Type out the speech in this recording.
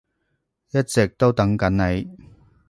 一直都等緊你